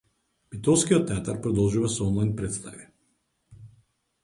Битолскиот театар продолжува со онлајн претстави